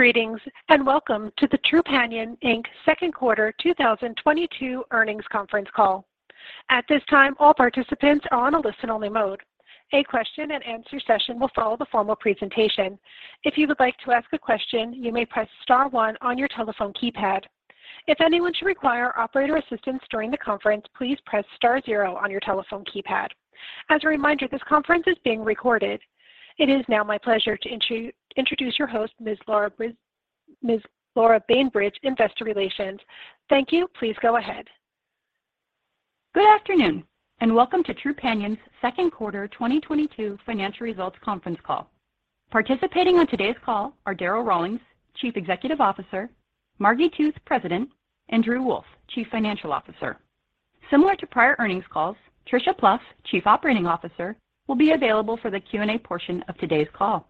Greetings, and welcome to the Trupanion Inc. second quarter 2022 earnings conference call. At this time, all participants are on a listen-only mode. A question-and-answer session will follow the formal presentation. If you would like to ask a question, you may press star one on your telephone keypad. If anyone should require operator assistance during the conference, please press star zero on your telephone keypad. As a reminder, this conference is being recorded. It is now my pleasure to introduce your host, Ms. Laura Bainbridge, Investor Relations. Thank you. Please go ahead. Good afternoon, and welcome to Trupanion's second quarter 2022 financial results conference call. Participating on today's call are Darryl Rawlings, Chief Executive Officer, Margi Tooth, President, and Drew Wolff, Chief Financial Officer. Similar to prior earnings calls, Tricia Plouf, Chief Operating Officer, will be available for the Q&A portion of today's call.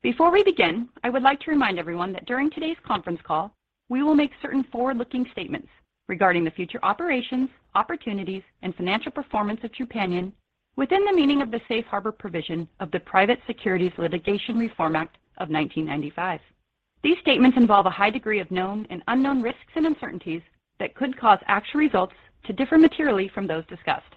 Before we begin, I would like to remind everyone that during today's conference call, we will make certain forward-looking statements regarding the future operations, opportunities, and financial performance of Trupanion within the meaning of the Safe Harbor provision of the Private Securities Litigation Reform Act of 1995. These statements involve a high degree of known and unknown risks and uncertainties that could cause actual results to differ materially from those discussed.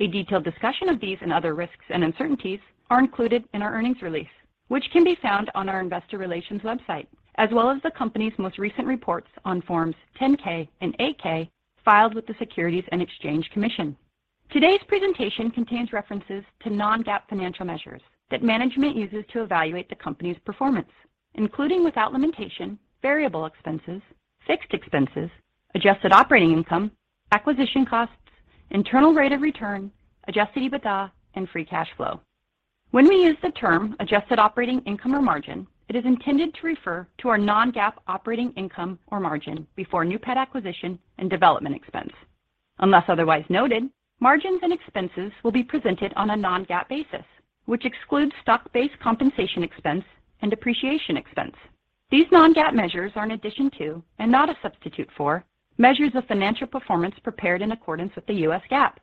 A detailed discussion of these and other risks and uncertainties are included in our earnings release, which can be found on our investor relations website, as well as the company's most recent reports on Form 10-K and Form 8-K filed with the Securities and Exchange Commission. Today's presentation contains references to non-GAAP financial measures that management uses to evaluate the company's performance, including without limitation, variable expenses, fixed expenses, adjusted operating income, acquisition costs, internal rate of return, adjusted EBITDA, and free cash flow. When we use the term adjusted operating income or margin, it is intended to refer to our non-GAAP operating income or margin before new pet acquisition and development expense. Unless otherwise noted, margins and expenses will be presented on a non-GAAP basis, which excludes stock-based compensation expense and depreciation expense. These non-GAAP measures are in addition to and not a substitute for measures of financial performance prepared in accordance with the U.S. GAAP.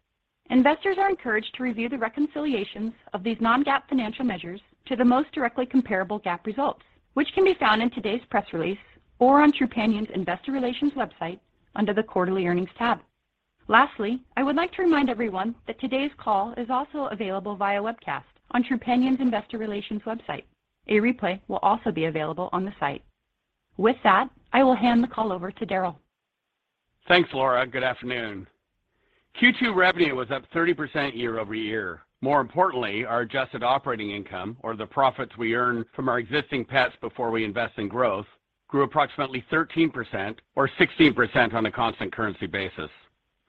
Investors are encouraged to review the reconciliations of these non-GAAP financial measures to the most directly comparable GAAP results, which can be found in today's press release or on Trupanion's Investor Relations website under the Quarterly Earnings tab. Lastly, I would like to remind everyone that today's call is also available via webcast on Trupanion's Investor Relations website. A replay will also be available on the site. With that, I will hand the call over to Darryl. Thanks, Laura. Good afternoon. Q2 revenue was up 30% year-over-year. More importantly, our adjusted operating income or the profits we earn from our existing pets before we invest in growth grew approximately 13% or 16% on a constant currency basis.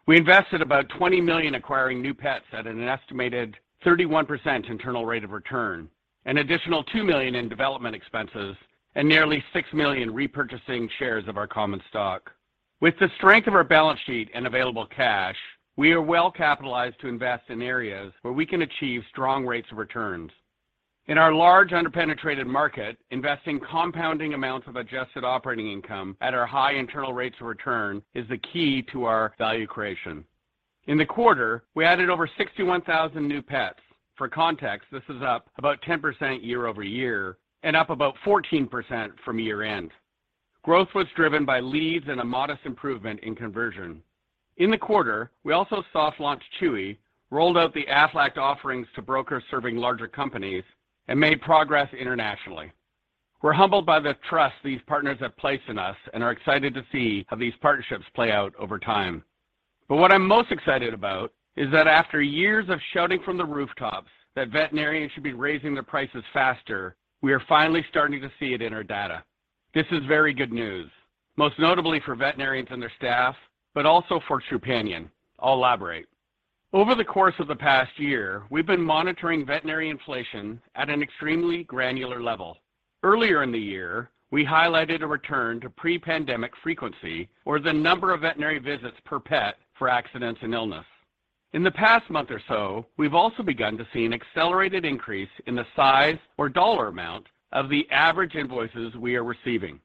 We invested about $20 million acquiring new pets at an estimated 31% internal rate of return, an additional $2 million in development expenses, and nearly $6 million repurchasing shares of our common stock. With the strength of our balance sheet and available cash, we are well-capitalized to invest in areas where we can achieve strong rates of returns. In our large underpenetrated market, investing compounding amounts of adjusted operating income at our high internal rates of return is the key to our value creation. In the quarter, we added over 61,000 new pets. For context, this is up about 10% year-over-year and up about 14% from year-end. Growth was driven by leads and a modest improvement in conversion. In the quarter, we also soft launched Chewy, rolled out the Aflac offerings to brokers serving larger companies, and made progress internationally. We're humbled by the trust these partners have placed in us and are excited to see how these partnerships play out over time. What I'm most excited about is that after years of shouting from the rooftops that veterinarians should be raising their prices faster, we are finally starting to see it in our data. This is very good news, most notably for veterinarians and their staff, but also for Trupanion. I'll elaborate. Over the course of the past year, we've been monitoring veterinary inflation at an extremely granular level. Earlier in the year, we highlighted a return to pre-pandemic frequency or the number of veterinary visits per pet for accidents and illness. In the past month or so, we've also begun to see an accelerated increase in the size or dollar amount of the average invoices we are receiving.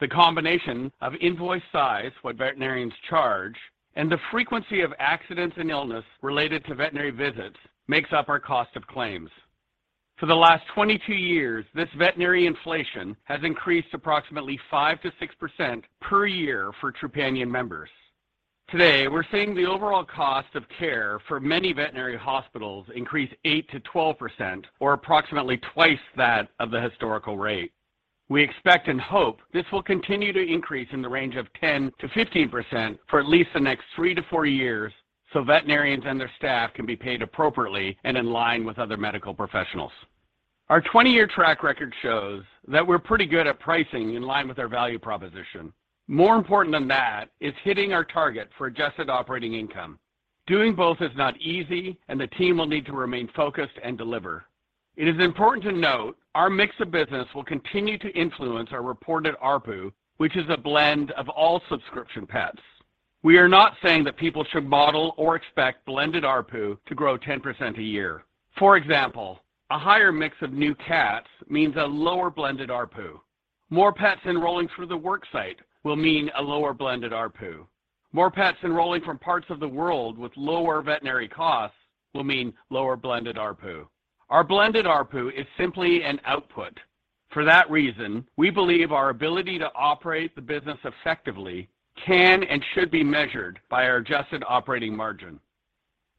The combination of invoice size, what veterinarians charge, and the frequency of accidents and illness related to veterinary visits makes up our cost of claims. For the last 22 years, this veterinary inflation has increased approximately 5%-6% per year for Trupanion members. Today, we're seeing the overall cost of care for many veterinary hospitals increase 8%-12% or approximately twice that of the historical rate. We expect and hope this will continue to increase in the range of 10%-15% for at least the next three to four years so veterinarians and their staff can be paid appropriately and in line with other medical professionals. Our 20-year track record shows that we're pretty good at pricing in line with our value proposition. More important than that is hitting our target for adjusted operating income. Doing both is not easy, and the team will need to remain focused and deliver. It is important to note our mix of business will continue to influence our reported ARPU, which is a blend of all subscription pets. We are not saying that people should model or expect blended ARPU to grow 10% a year. For example, a higher mix of new cats means a lower blended ARPU. More pets enrolling through the worksite will mean a lower blended ARPU. More pets enrolling from parts of the world with lower veterinary costs will mean lower blended ARPU. Our blended ARPU is simply an output. For that reason, we believe our ability to operate the business effectively can and should be measured by our adjusted operating margin.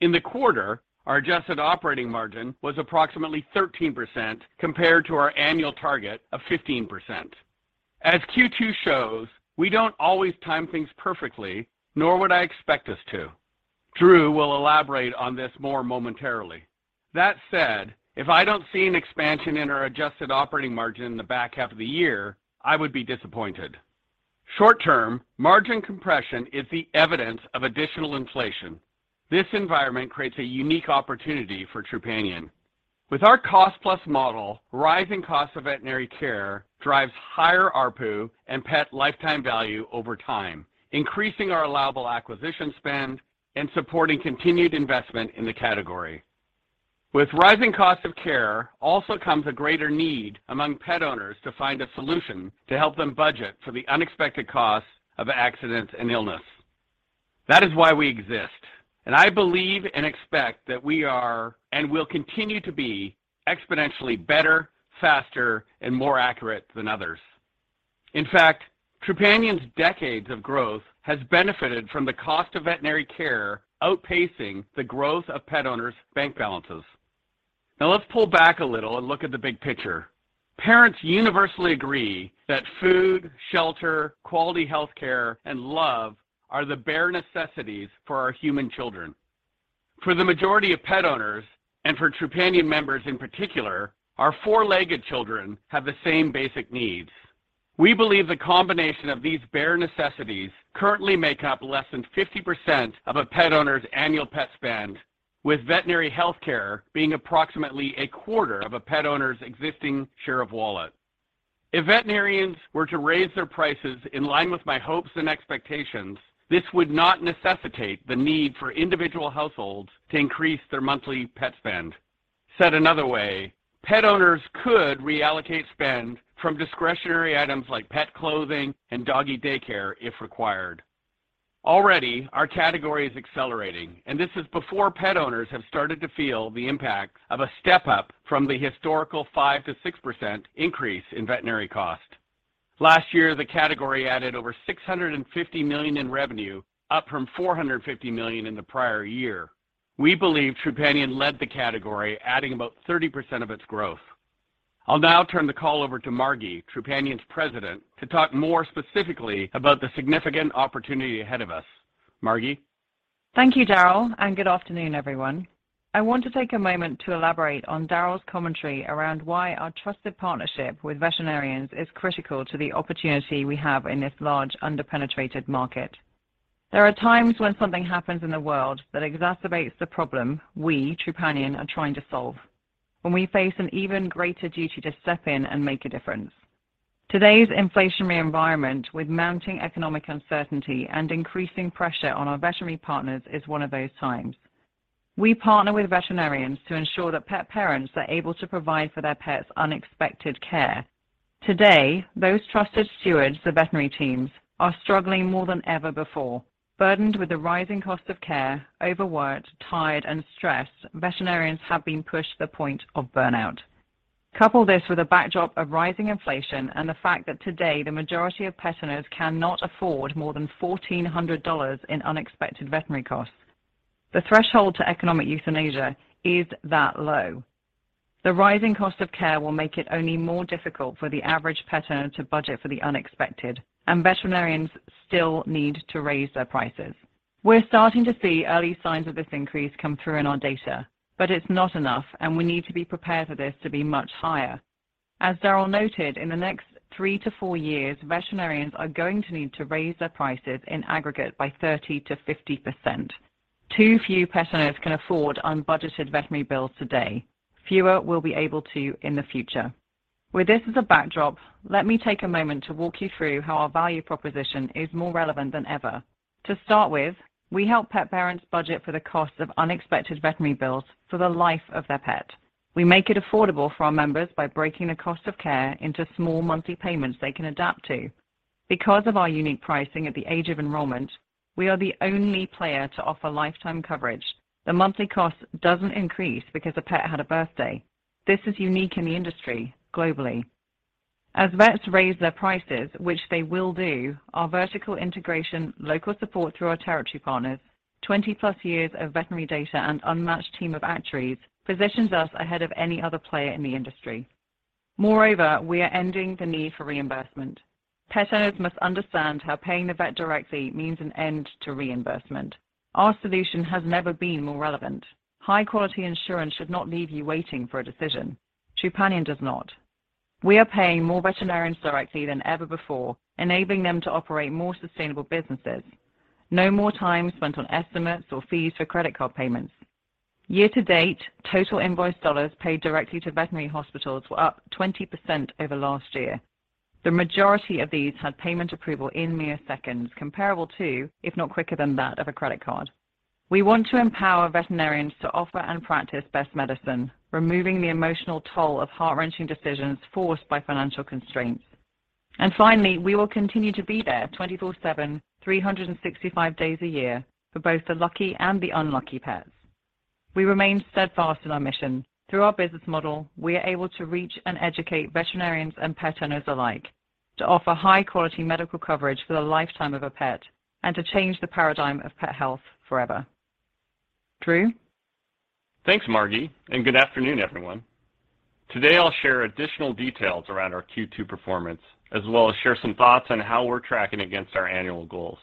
In the quarter, our adjusted operating margin was approximately 13% compared to our annual target of 15%. As Q2 shows, we don't always time things perfectly, nor would I expect us to. Drew will elaborate on this more momentarily. That said, if I don't see an expansion in our adjusted operating margin in the back half of the year, I would be disappointed. Short term, margin compression is the evidence of additional inflation. This environment creates a unique opportunity for Trupanion. With our cost-plus model, rising costs of veterinary care drives higher ARPU and pet lifetime value over time, increasing our allowable acquisition spend and supporting continued investment in the category. With rising costs of care also comes a greater need among pet owners to find a solution to help them budget for the unexpected costs of accidents and illness. That is why we exist, and I believe and expect that we are, and will continue to be exponentially better, faster, and more accurate than others. In fact, Trupanion's decades of growth has benefited from the cost of veterinary care outpacing the growth of pet owners' bank balances. Now, let's pull back a little and look at the big picture. Parents universally agree that food, shelter, quality healthcare, and love are the bare necessities for our human children. For the majority of pet owners, and for Trupanion members in particular, our four-legged children have the same basic needs. We believe the combination of these bare necessities currently make up less than 50% of a pet owner's annual pet spend, with veterinary health care being approximately a quarter of a pet owner's existing share of wallet. If veterinarians were to raise their prices in line with my hopes and expectations, this would not necessitate the need for individual households to increase their monthly pet spend. Said another way, pet owners could reallocate spend from discretionary items like pet clothing and doggy daycare if required. Already, our category is accelerating, and this is before pet owners have started to feel the impact of a step up from the historical 5%-6% increase in veterinary cost. Last year, the category added over $650 million in revenue, up from $450 million in the prior year. We believe Trupanion led the category, adding about 30% of its growth. I'll now turn the call over to Margi, Trupanion's President, to talk more specifically about the significant opportunity ahead of us. Margi? Thank you, Darryl, and good afternoon, everyone. I want to take a moment to elaborate on Darryl's commentary around why our trusted partnership with veterinarians is critical to the opportunity we have in this large under-penetrated market. There are times when something happens in the world that exacerbates the problem we, Trupanion, are trying to solve when we face an even greater duty to step in and make a difference. Today's inflationary environment with mounting economic uncertainty and increasing pressure on our veterinary partners is one of those times. We partner with veterinarians to ensure that pet parents are able to provide for their pets' unexpected care. Today, those trusted stewards, the veterinary teams, are struggling more than ever before. Burdened with the rising cost of care, overworked, tired, and stressed, veterinarians have been pushed to the point of burnout. Couple this with a backdrop of rising inflation and the fact that today the majority of pet owners cannot afford more than $1,400 in unexpected veterinary costs. The threshold to economic euthanasia is that low. The rising cost of care will make it only more difficult for the average pet owner to budget for the unexpected, and veterinarians still need to raise their prices. We're starting to see early signs of this increase come through in our data, but it's not enough and we need to be prepared for this to be much higher. As Darryl noted, in the next three to four years, veterinarians are going to need to raise their prices in aggregate by 30%-50%. Too few pet owners can afford unbudgeted veterinary bills today. Fewer will be able to in the future. With this as a backdrop, let me take a moment to walk you through how our value proposition is more relevant than ever. To start with, we help pet parents budget for the cost of unexpected veterinary bills for the life of their pet. We make it affordable for our members by breaking the cost of care into small monthly payments they can adapt to. Because of our unique pricing at the age of enrollment, we are the only player to offer lifetime coverage. The monthly cost doesn't increase because a pet had a birthday. This is unique in the industry globally. As vets raise their prices, which they will do, our vertical integration, local support through our territory partners, 20+ years of veterinary data and unmatched team of actuaries positions us ahead of any other player in the industry. Moreover, we are ending the need for reimbursement. Pet owners must understand how paying the vet directly means an end to reimbursement. Our solution has never been more relevant. High-quality insurance should not leave you waiting for a decision. Trupanion does not. We are paying more veterinarians directly than ever before, enabling them to operate more sustainable businesses. No more time spent on estimates or fees for credit card payments. Year to date, total invoice dollars paid directly to veterinary hospitals were up 20% over last year. The majority of these had payment approval in mere seconds, comparable to, if not quicker than that of a credit card. We want to empower veterinarians to offer and practice best medicine, removing the emotional toll of heart-wrenching decisions forced by financial constraints. Finally, we will continue to be there 24/7, 365 days a year for both the lucky and the unlucky pets. We remain steadfast in our mission. Through our business model, we are able to reach and educate veterinarians and pet owners alike to offer high-quality medical coverage for the lifetime of a pet and to change the paradigm of pet health forever. Drew? Thanks, Margi, and good afternoon, everyone. Today, I'll share additional details around our Q2 performance, as well as share some thoughts on how we're tracking against our annual goals.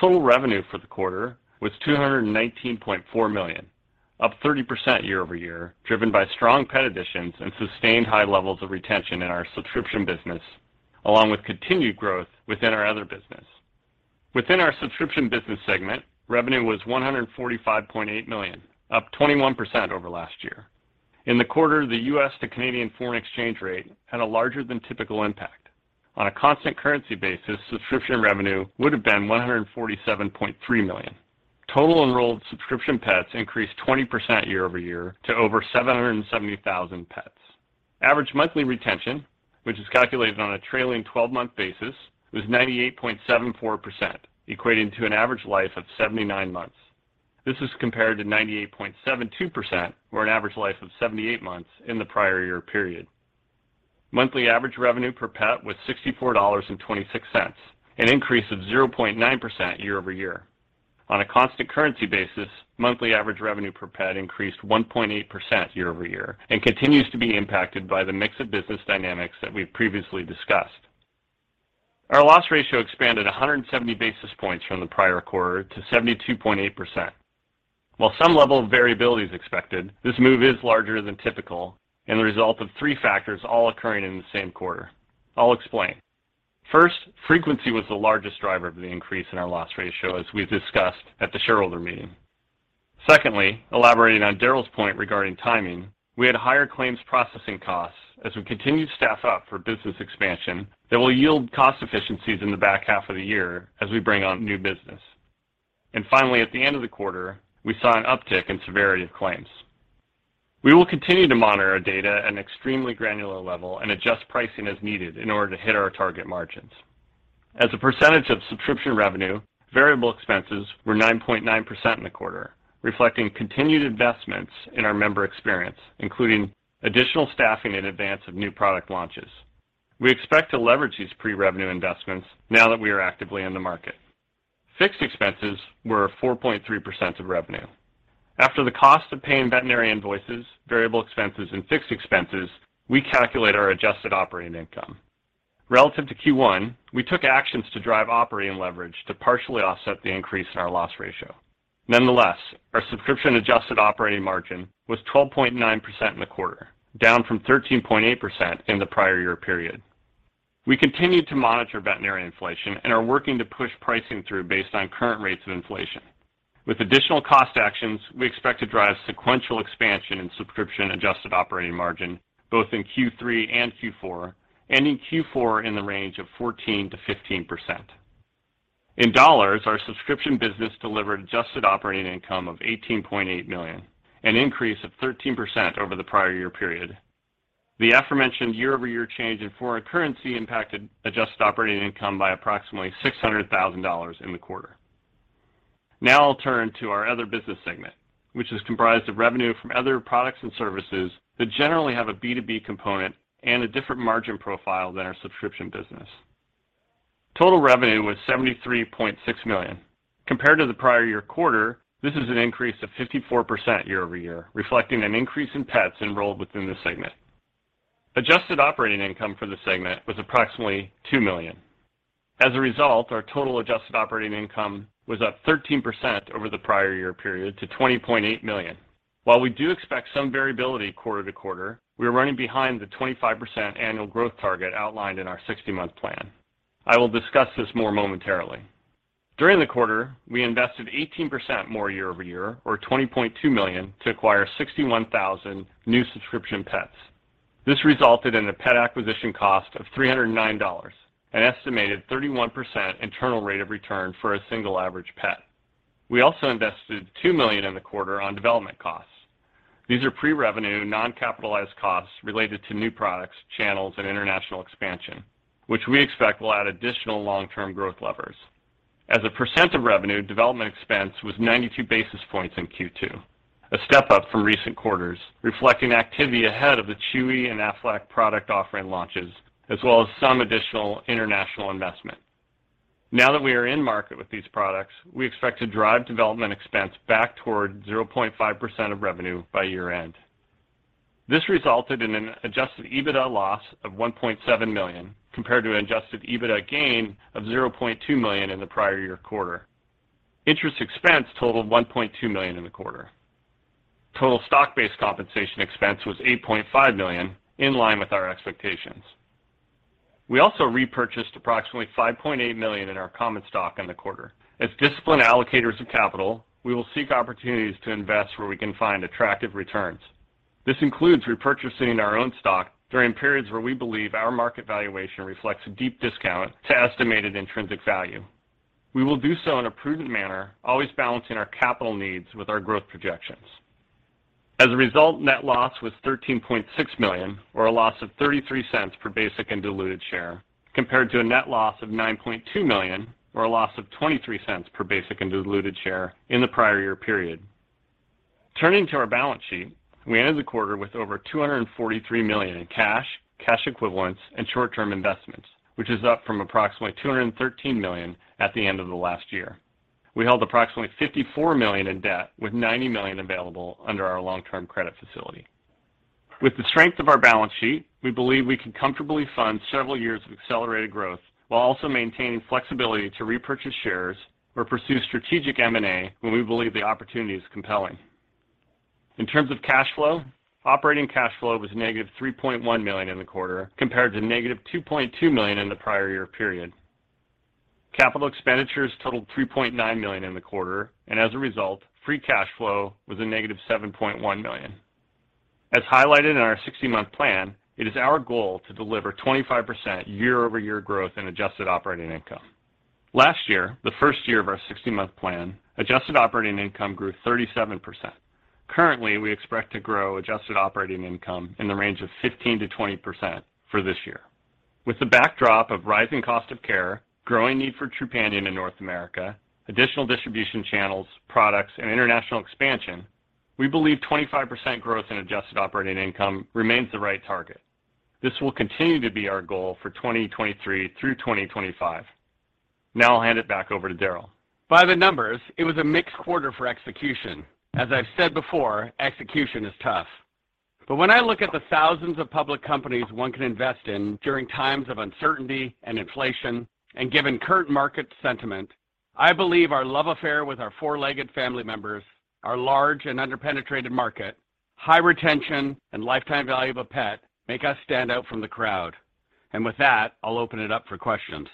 Total revenue for the quarter was $219.4 million, up 30% year-over-year, driven by strong pet additions and sustained high levels of retention in our subscription business along with continued growth within our other business. Within our subscription business segment, revenue was $145.8 million, up 21% over last year. In the quarter, the U.S. to Canadian foreign exchange rate had a larger than typical impact. On a constant currency basis, subscription revenue would have been $147.3 million. Total enrolled subscription pets increased 20% year-over-year to over 770,000 pets. Average monthly retention, which is calculated on a trailing twelve-month basis, was 98.74%, equating to an average life of 79 months. This is compared to 98.72% or an average life of 78 months in the prior year period. Monthly average revenue per pet was $64.26, an increase of 0.9% year-over-year. On a constant currency basis, monthly average revenue per pet increased 1.8% year-over-year and continues to be impacted by the mix of business dynamics that we've previously discussed. Our loss ratio expanded 170 basis points from the prior quarter to 72.8%. While some level of variability is expected, this move is larger than typical and the result of three factors all occurring in the same quarter. I'll explain. First, frequency was the largest driver of the increase in our loss ratio as we discussed at the shareholder meeting. Secondly, elaborating on Darryl's point regarding timing, we had higher claims processing costs as we continued to staff up for business expansion that will yield cost efficiencies in the back half of the year as we bring on new business. Finally, at the end of the quarter, we saw an uptick in severity of claims. We will continue to monitor our data at an extremely granular level and adjust pricing as needed in order to hit our target margins. As a percentage of subscription revenue, variable expenses were 9.9% in the quarter, reflecting continued investments in our member experience, including additional staffing in advance of new product launches. We expect to leverage these pre-revenue investments now that we are actively in the market. Fixed expenses were 4.3% of revenue. After the cost of paying veterinarian invoices, variable expenses, and fixed expenses, we calculate our adjusted operating income. Relative to Q1, we took actions to drive operating leverage to partially offset the increase in our loss ratio. Nonetheless, our subscription-adjusted operating margin was 12.9% in the quarter, down from 13.8% in the prior year period. We continued to monitor veterinarian inflation and are working to push pricing through based on current rates of inflation. With additional cost actions, we expect to drive sequential expansion in subscription-adjusted operating margin both in Q3 and Q4, ending Q4 in the range of 14%-15%. In dollars, our subscription business delivered adjusted operating income of $18.8 million, an increase of 13% over the prior year period. The aforementioned year-over-year change in foreign currency impacted adjusted operating income by approximately $600,000 in the quarter. Now I'll turn to our other business segment, which is comprised of revenue from other products and services that generally have a B2B component and a different margin profile than our subscription business. Total revenue was $73.6 million. Compared to the prior year quarter, this is an increase of 54% year-over-year, reflecting an increase in pets enrolled within the segment. Adjusted operating income for the segment was approximately $2 million. As a result, our total adjusted operating income was up 13% over the prior year period to $20.8 million. While we do expect some variability quarter to quarter, we are running behind the 25% annual growth target outlined in our 60-month plan. I will discuss this more momentarily. During the quarter, we invested 18% more year-over-year or $20.2 million to acquire 61,000 new subscription pets. This resulted in a pet acquisition cost of $309, an estimated 31% internal rate of return for a single average pet. We also invested $2 million in the quarter on development costs. These are pre-revenue, non-capitalized costs related to new products, channels, and international expansion, which we expect will add additional long-term growth levers. As a percent of revenue, development expense was 92 basis points in Q2, a step up from recent quarters, reflecting activity ahead of the Chewy and Aflac product offering launches, as well as some additional international investment. Now that we are in market with these products, we expect to drive development expense back toward 0.5% of revenue by year-end. This resulted in an adjusted EBITDA loss of $1.7 million compared to an adjusted EBITDA gain of $0.2 million in the prior year quarter. Interest expense totaled $1.2 million in the quarter. Total stock-based compensation expense was $8.5 million, in line with our expectations. We also repurchased approximately $5.8 million in our common stock in the quarter. As disciplined allocators of capital, we will seek opportunities to invest where we can find attractive returns. This includes repurchasing our own stock during periods where we believe our market valuation reflects a deep discount to estimated intrinsic value. We will do so in a prudent manner, always balancing our capital needs with our growth projections. As a result, net loss was $13.6 million, or a loss of $0.33 per basic and diluted share, compared to a net loss of $9.2 million, or a loss of $0.23 per basic and diluted share in the prior year period. Turning to our balance sheet, we ended the quarter with over $243 million in cash, cash equivalents, and short-term investments, which is up from approximately $213 million at the end of the last year. We held approximately $54 million in debt with $90 million available under our long-term credit facility. With the strength of our balance sheet, we believe we can comfortably fund several years of accelerated growth while also maintaining flexibility to repurchase shares or pursue strategic M&A when we believe the opportunity is compelling. In terms of cash flow, operating cash flow was -$3.1 million in the quarter compared to -$2.2 million in the prior year period. Capital expenditures totaled $3.9 million in the quarter, and as a result, free cash flow was -$7.1 million. As highlighted in our 60-month plan, it is our goal to deliver 25% year-over-year growth in adjusted operating income. Last year, the first year of our 60-month plan, adjusted operating income grew 37%. Currently, we expect to grow adjusted operating income in the range of 15%-20% for this year. With the backdrop of rising cost of care, growing need for Trupanion in North America, additional distribution channels, products, and international expansion, we believe 25% growth in adjusted operating income remains the right target. This will continue to be our goal for 2023 through 2025. Now I'll hand it back over to Darryl. By the numbers, it was a mixed quarter for execution. As I've said before, execution is tough. When I look at the thousands of public companies one can invest in during times of uncertainty and inflation and given current market sentiment, I believe our love affair with our four-legged family members, our large and under-penetrated market, high retention, and lifetime value of a pet make us stand out from the crowd. With that, I'll open it up for questions.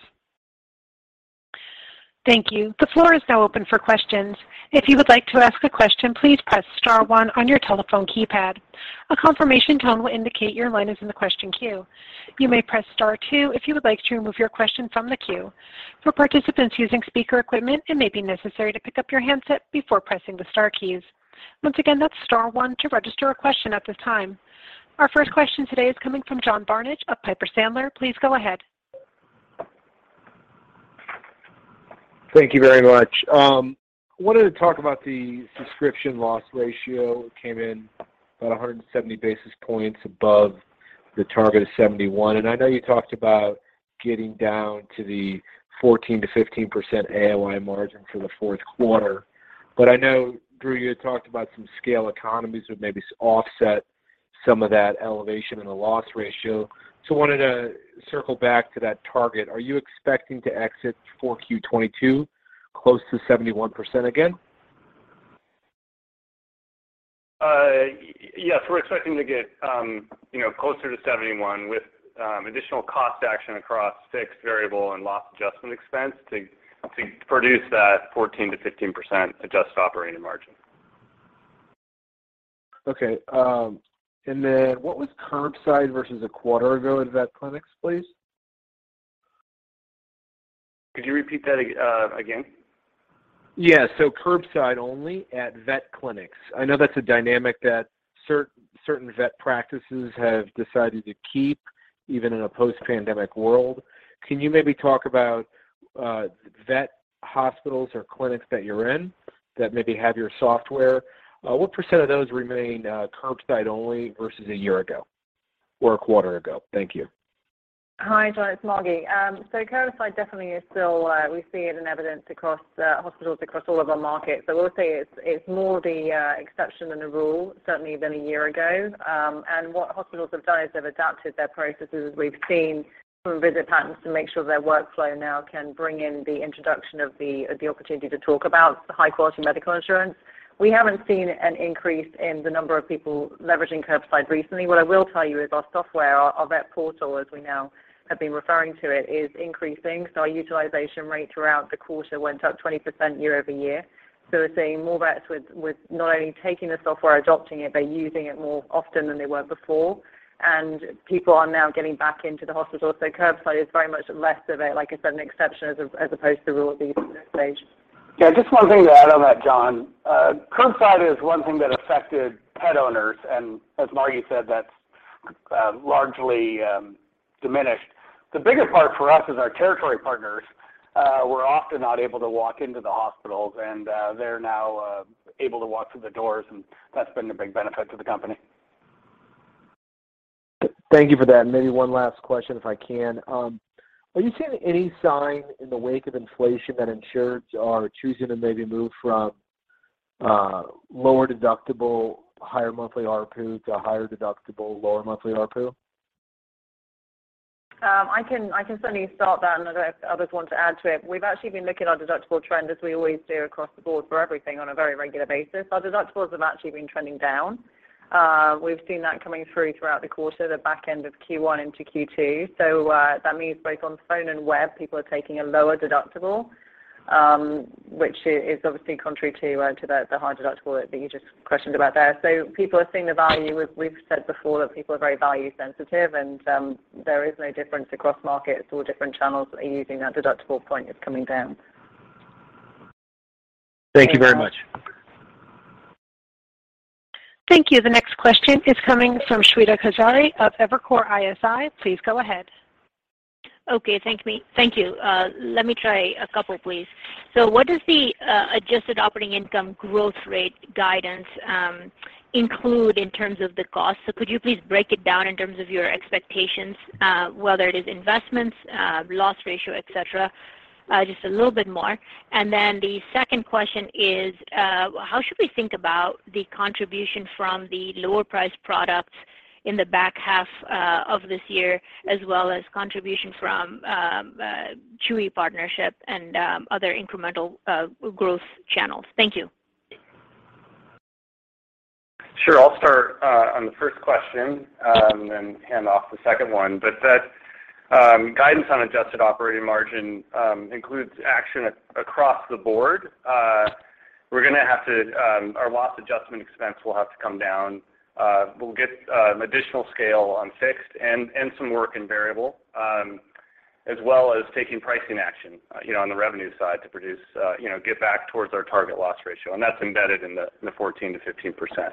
Thank you. The floor is now open for questions. If you would like to ask a question, please press star one on your telephone keypad. A confirmation tone will indicate your line is in the question queue. You may press star two if you would like to remove your question from the queue. For participants using speaker equipment, it may be necessary to pick up your handset before pressing the star keys. Once again, that's star one to register a question at this time. Our first question today is coming from John Barnidge of Piper Sandler. Please go ahead. Thank you very much. Wanted to talk about the subscription loss ratio. It came in about 170 basis points above the target of 71. I know you talked about getting down to the 14%-15% AOI margin for the fourth quarter, but I know, Drew, you had talked about some scale economies would maybe offset some of that elevation in the loss ratio. I wanted to circle back to that target. Are you expecting to exit for 4Q 2022 close to 71% again? Yes, we're expecting to get closer to 71% with additional cost action across fixed, variable and loss adjustment expense to produce that 14%-15% adjusted operating margin. Okay. What was curbside versus a quarter ago at vet clinics, please? Could you repeat that again? Yeah. Curbside only at vet clinics. I know that's a dynamic that certain vet practices have decided to keep even in a post-pandemic world. Can you maybe talk about vet hospitals or clinics that you're in that maybe have your software? What percent of those remain curbside only versus a year ago or a quarter ago? Thank you. Hi, John. It's Margi. Curbside definitely is still, we see it in evidence across, hospitals across all of our markets. We'll say it's more the exception than the rule certainly than a year ago. What hospitals have done is they've adapted their processes, as we've seen from visit patterns, to make sure their workflow now can bring in the introduction of the opportunity to talk about high-quality medical insurance. We haven't seen an increase in the number of people leveraging curbside recently. What I will tell you is our software, our vet portal, as we now have been referring to it, is increasing. Our utilization rate throughout the quarter went up 20% year-over-year. We're seeing more vets with not only taking the software, adopting it, but using it more often than they were before. People are now getting back into the hospital. Curbside is very much less of a, like I said, an exception as opposed to rule these days. Yeah. Just one thing to add on that, John. Curbside is one thing that affected pet owners, and as Margi said, that's largely diminished. The bigger part for us is our territory partners were often not able to walk into the hospitals, and they're now able to walk through the doors, and that's been a big benefit to the company. Thank you for that. Maybe one last question if I can. Are you seeing any sign in the wake of inflation that insurers are choosing to maybe move from lower deductible, higher monthly ARPU to higher deductible, lower monthly ARPU? I can certainly start that and I don't know if others want to add to it. We've actually been looking at our deductible trend as we always do across the board for everything on a very regular basis. Our deductibles have actually been trending down. We've seen that coming through throughout the quarter, the back end of Q1 into Q2. That means both on phone and web, people are taking a lower deductible, which is obviously contrary to the high deductible that you just questioned about there. People are seeing the value. We've said before that people are very value sensitive and there is no difference across markets or different channels are using that deductible point is coming down. Thank you very much. Thank you. The next question is coming from Shweta Khajuria of Evercore ISI. Please go ahead. Thank you. Let me try a couple, please. What does the adjusted operating income growth rate guidance include in terms of the cost? Could you please break it down in terms of your expectations, whether it is investments, loss ratio, et cetera, just a little bit more. Then the second question is, how should we think about the contribution from the lower priced products in the back half of this year as well as contribution from the Chewy partnership and other incremental growth channels? Thank you. Sure. I'll start on the first question and hand off the second one. That guidance on adjusted operating margin includes action across the board. We're gonna have to, our loss adjustment expense will have to come down. We'll get additional scale on fixed and some work in variable as well as taking pricing action, you know, on the revenue side to produce, you know, get back towards our target loss ratio, and that's embedded in the 14%-15%.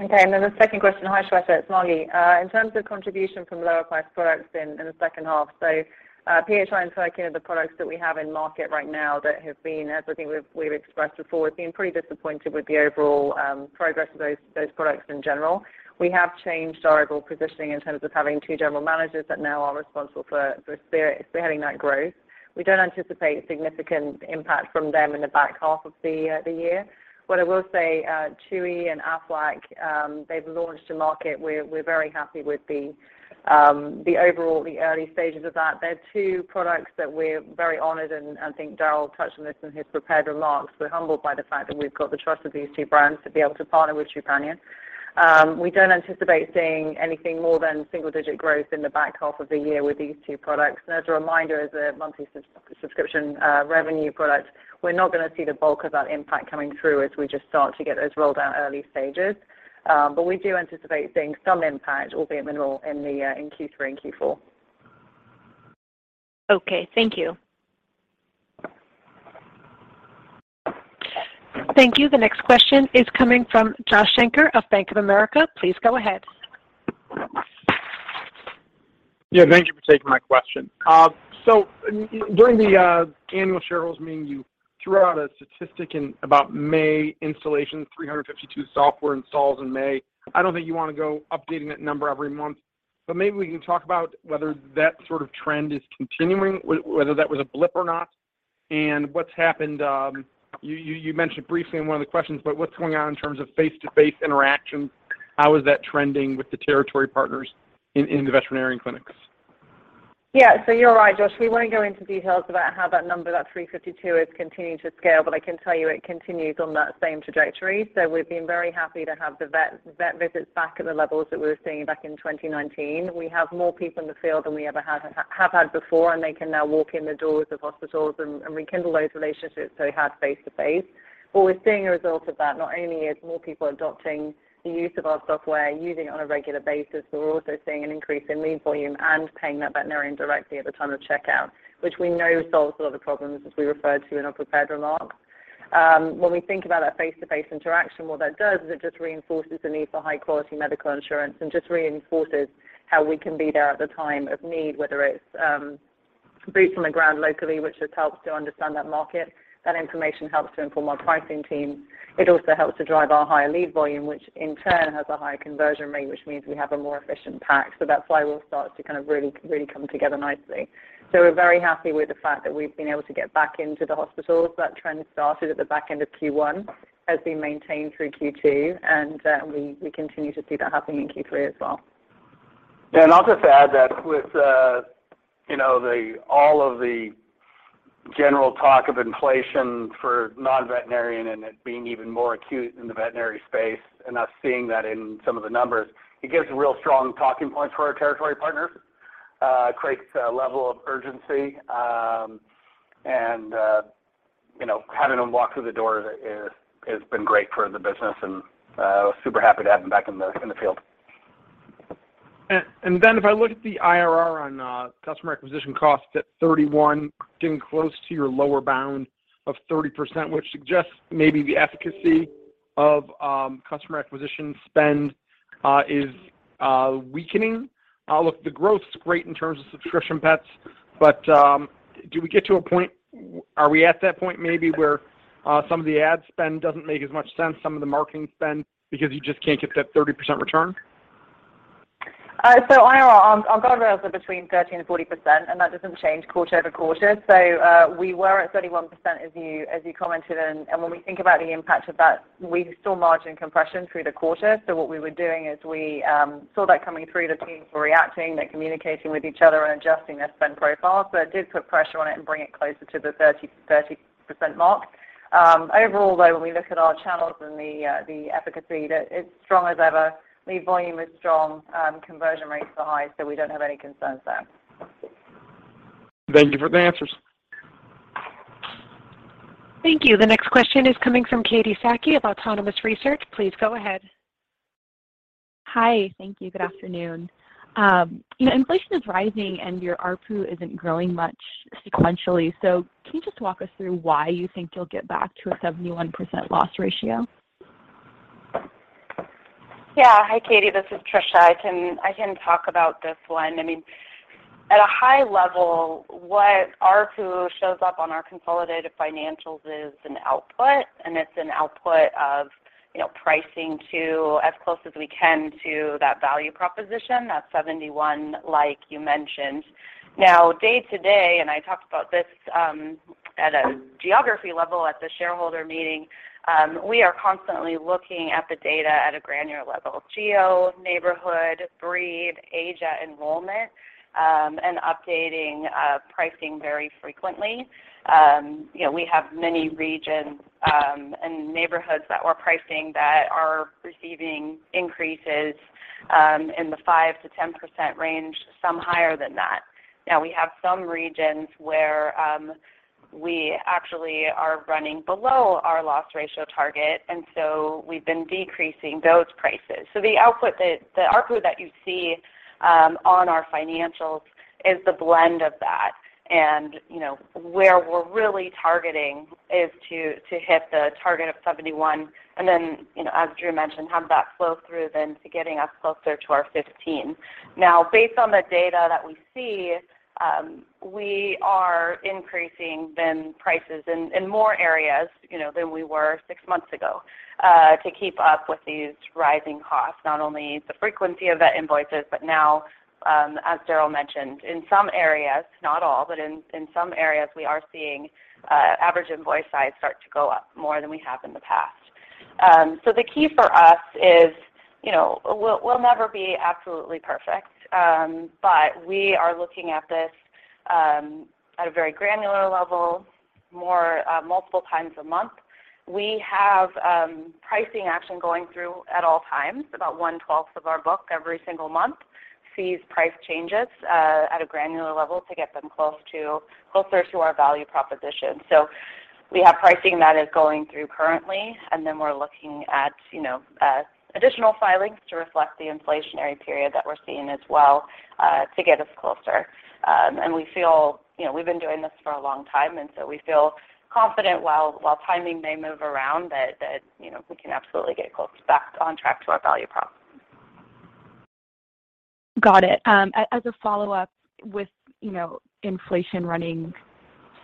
Okay. The second question. Hi, Shweta, it's Margi. In terms of contribution from lower priced products in the second half. PHI and Furkin are the products that we have in market right now that have been, as I think we've expressed before, we've been pretty disappointed with the overall progress of those products in general. We have changed our overall positioning in terms of having two general managers that now are responsible for spearheading that growth. We don't anticipate significant impact from them in the back half of the year. What I will say, Chewy and Aflac, they've launched the market. We're very happy with the overall early stages of that. They're two products that we're very honored, and I think Darryl touched on this in his prepared remarks. We're humbled by the fact that we've got the trust of these two brands to be able to partner with Trupanion. We don't anticipate seeing anything more than single-digit growth in the back half of the year with these two products. As a reminder, as a monthly subscription revenue product, we're not gonna see the bulk of that impact coming through as we just start to get those rolled out in early stages. We do anticipate seeing some impact, albeit minimal, in Q3 and Q4. Okay, thank you. Thank you. The next question is coming from Josh Shanker of Bank of America. Please go ahead. Yeah, thank you for taking my question. During the annual shareholders meeting, you threw out a statistic about May installation, 352 software installs in May. I don't think you wanna go updating that number every month, but maybe we can talk about whether that sort of trend is continuing, whether that was a blip or not, and what's happened. You mentioned briefly in one of the questions, but what's going on in terms of face-to-face interactions? How is that trending with the territory partners in the veterinarian clinics? Yeah. You're right, Josh. We won't go into details about how that number, that 352, is continuing to scale, but I can tell you it continues on that same trajectory. We've been very happy to have the vet visits back at the levels that we were seeing back in 2019. We have more people in the field than we ever have had before, and they can now walk in the doors of hospitals and rekindle those relationships so hard face-to-face. What we're seeing as a result of that not only is more people adopting the use of our software, using it on a regular basis, but we're also seeing an increase in lead volume and paying that veterinarian directly at the time of checkout, which we know solves a lot of problems, as we referred to in our prepared remarks. When we think about that face-to-face interaction, what that does is it just reinforces the need for high quality medical insurance and just reinforces how we can be there at the time of need, whether it's boots on the ground locally, which just helps to understand that market. That information helps to inform our pricing team. It also helps to drive our higher lead volume, which in turn has a higher conversion rate, which means we have a more efficient tag. That vet flywheel starts to kind of really come together nicely. We're very happy with the fact that we've been able to get back into the hospitals. That trend started at the back end of Q1, has been maintained through Q2, and we continue to see that happening in Q3 as well. I'll just add that with you know all of the general talk of inflation for non-veterinary and it being even more acute in the veterinary space and us seeing that in some of the numbers, it gives real strong talking points for our territory partners. It creates a level of urgency, and you know, having them walk through the door has been great for the business and super happy to have them back in the field. If I look at the IRR on customer acquisition costs at 31%, getting close to your lower bound of 30%, which suggests maybe the efficacy of customer acquisition spend is weakening. Look, the growth's great in terms of subscription pets, but do we get to a point? Are we at that point maybe where some of the ad spend doesn't make as much sense, some of the marketing spend because you just can't get that 30% return? IRR, our guardrails are between 30% and 40%, and that doesn't change quarter-over-quarter. We were at 31% as you commented. When we think about the impact of that, we saw margin compression through the quarter. What we were doing is we saw that coming through. The teams were reacting. They're communicating with each other and adjusting their spend profiles. It did put pressure on it and bring it closer to the 30% mark. Overall, though, when we look at our channels and the efficacy, that it's strong as ever. Lead volume is strong. Conversion rates are high. We don't have any concerns there. Thank you for the answers. Thank you. The next question is coming from Katie Sakys of Autonomous Research. Please go ahead. Hi. Thank you. Good afternoon. You know, inflation is rising and your ARPU isn't growing much sequentially. Can you just walk us through why you think you'll get back to a 71% loss ratio? Yeah. Hi, Katie. This is Tricia. I can talk about this one. I mean, at a high level, what ARPU shows up on our consolidated financials is an output, and it's an output of, you know, pricing to as close as we can to that value proposition. That's 71% like you mentioned. Now, day to day, and I talked about this, at a geography level at the shareholder meeting, we are constantly looking at the data at a granular level, geo, neighborhood, breed, age at enrollment, and updating pricing very frequently. You know, we have many regions, and neighborhoods that we're pricing that are receiving increases, in the 5%-10% range, some higher than that. Now, we have some regions where, we actually are running below our loss ratio target, and so we've been decreasing those prices. The output, the ARPU that you see on our financials is the blend of that. You know, where we're really targeting is to hit the target of 71% and then, you know, as Drew mentioned, have that flow through to getting us closer to our 15%. Based on the data that we see, we are increasing the prices in more areas, you know, than we were six months ago, to keep up with these rising costs, not only the frequency of the invoices but now, as Darryl mentioned, in some areas, not all, but in some areas, we are seeing average invoice size start to go up more than we have in the past. The key for us is, you know, we'll never be absolutely perfect, but we are looking at this at a very granular level, more multiple times a month. We have pricing action going through at all times. About 1/12 of our book every single month sees price changes at a granular level to get them closer to our value proposition. We have pricing that is going through currently, and then we're looking at, you know, additional filings to reflect the inflationary period that we're seeing as well to get us closer. We feel you know we've been doing this for a long time, and so we feel confident while timing may move around that you know we can absolutely get close back on track to our value prop. Got it. As a follow-up, with you know inflation running,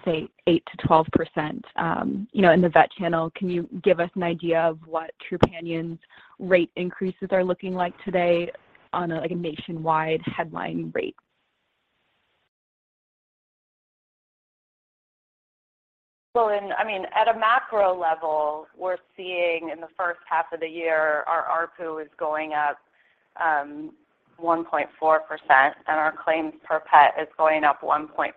say, 8%-12%, you know, in the vet channel, can you give us an idea of what Trupanion's rate increases are looking like today on a, like, a nationwide headline rate? Well, I mean, at a macro level, we're seeing in the first half of the year our ARPU is going up 1.4%, and our claims per pet is going up 1.5%.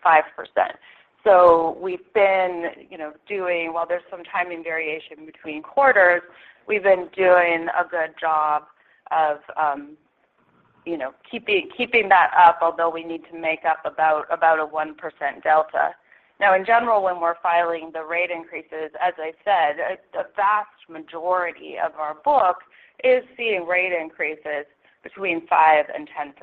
We've been, you know, doing. While there's some timing variation between quarters, we've been doing a good job of, you know, keeping that up although we need to make up about a 1% delta. Now, in general, when we're filing the rate increases, as I said, a vast majority of our book is seeing rate increases between 5% and 10%.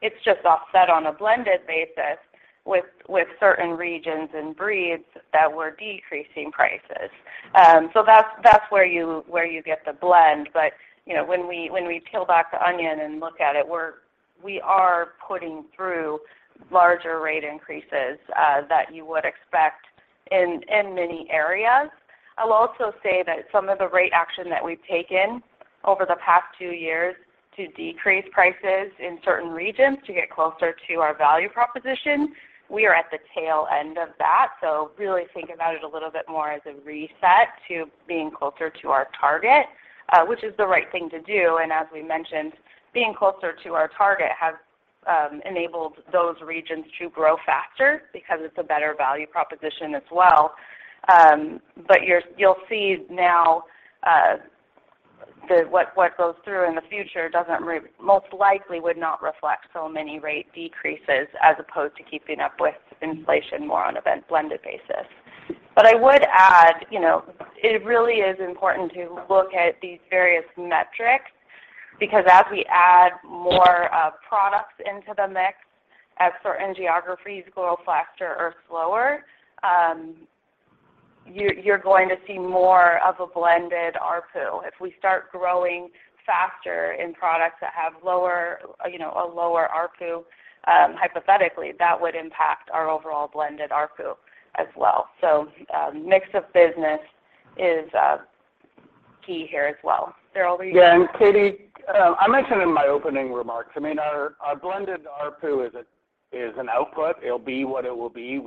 It's just offset on a blended basis with certain regions and breeds that we're decreasing prices. That's where you get the blend. You know, when we peel back the onion and look at it, we are putting through larger rate increases that you would expect in many areas. I'll also say that some of the rate action that we've taken over the past two years to decrease prices in certain regions to get closer to our value proposition, we are at the tail end of that. So really think about it a little bit more as a reset to being closer to our target, which is the right thing to do. As we mentioned, being closer to our target has enabled those regions to grow faster because it's a better value proposition as well. You'll see now what goes through in the future most likely would not reflect so many rate decreases as opposed to keeping up with inflation more on a blended basis. I would add, you know, it really is important to look at these various metrics because as we add more products into the mix as certain geographies grow faster or slower, you're going to see more of a blended ARPU. If we start growing faster in products that have lower, you know, a lower ARPU, hypothetically, that would impact our overall blended ARPU as well. Mix of business is key here as well. Darryl, were you- Yeah. Katie, I mentioned in my opening remarks. I mean, our blended ARPU is an output. It'll be what it will be.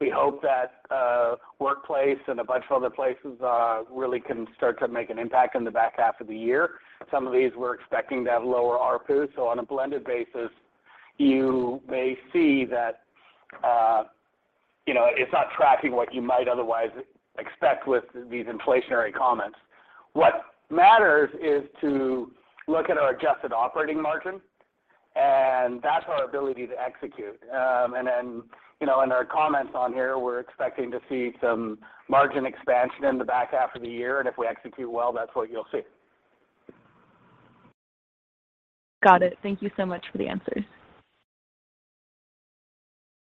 We hope that workplace and a bunch of other places really can start to make an impact in the back half of the year. Some of these we're expecting to have lower ARPUs, so on a blended basis, you may see that, you know, it's not tracking what you might otherwise expect with these inflationary comments. What matters is to look at our adjusted operating margin. That's our ability to execute. You know, in our comments on here, we're expecting to see some margin expansion in the back half of the year, and if we execute well, that's what you'll see. Got it. Thank you so much for the answers.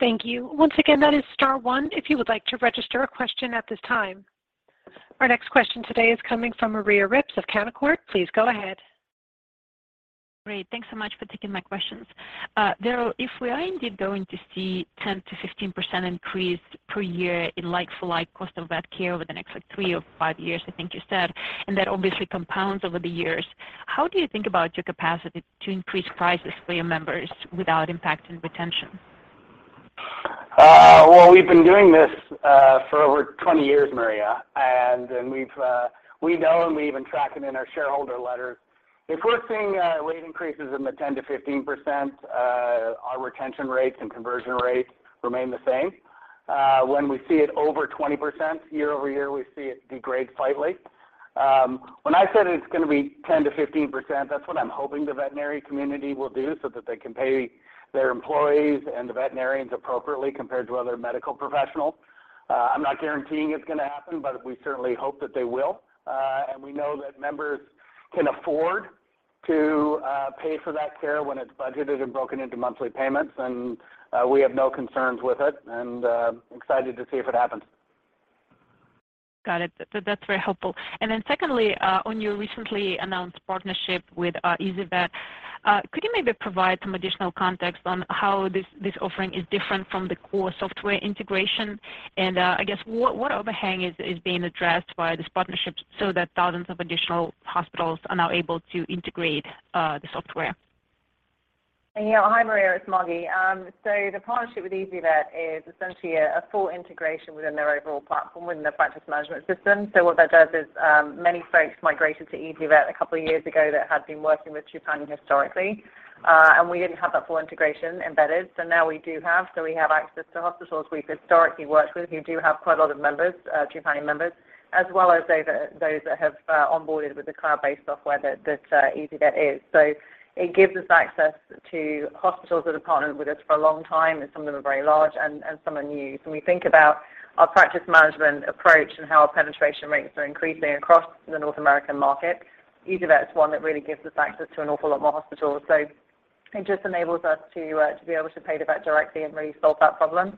Thank you. Once again, that is star one if you would like to register a question at this time. Our next question today is coming from Maria Ripps of Canaccord. Please go ahead. Great. Thanks so much for taking my questions. Darryl, if we are indeed going to see 10%-15% increase per year in like-for-like cost of vet care over the next, like, three or five years, I think you said, and that obviously compounds over the years, how do you think about your capacity to increase prices for your members without impacting retention? Well, we've been doing this for over 20 years, Maria. We've we know, and we even track them in our shareholder letters. If we're seeing rate increases in the 10%-15%, our retention rates and conversion rates remain the same. When we see it over 20% year-over-year, we see it degrade slightly. When I said it's going to be 10%-15%, that's what I'm hoping the veterinary community will do so that they can pay their employees and the veterinarians appropriately compared to other medical professionals. I'm not guaranteeing it's going to happen, but we certainly hope that they will. We know that members can afford to pay for that care when it's budgeted and broken into monthly payments, and we have no concerns with it and excited to see if it happens. Got it. That's very helpful. Secondly, on your recently announced partnership with ezyVet, could you maybe provide some additional context on how this offering is different from the core software integration? I guess what overhang is being addressed by this partnership so that thousands of additional hospitals are now able to integrate the software? Yeah. Hi, Maria, it's Margi. The partnership with ezyVet is essentially a full integration within their overall platform, within their practice management system. What that does is, many folks migrated to ezyVet a couple of years ago that had been working with Trupanion historically, and we didn't have that full integration embedded. Now we do have. We have access to hospitals we've historically worked with who do have quite a lot of members, Trupanion members, as well as those that have onboarded with the cloud-based software that ezyVet is. It gives us access to hospitals that have partnered with us for a long time, and some of them are very large and some are new. When we think about our practice management approach and how our penetration rates are increasing across the North American market, ezyVet is one that really gives us access to an awful lot more hospitals. It just enables us to be able to pay the vet directly and really solve that problem.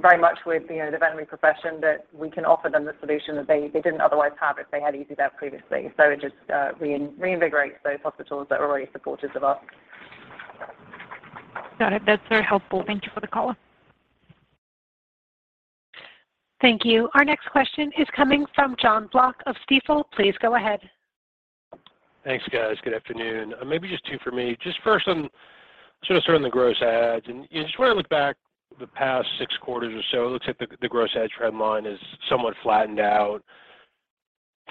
Very much with, you know, the veterinary profession that we can offer them the solution that they didn't otherwise have if they had ezyVet previously. It just reinvigorates those hospitals that were already supporters of us. Got it. That's very helpful. Thank you for the color. Thank you. Our next question is coming from Jon Block of Stifel. Please go ahead. Thanks, guys. Good afternoon. Maybe just two for me. Just first on, sort of starting the gross adds, and you just want to look back the past six quarters or so, it looks like the gross add trend line is somewhat flattened out,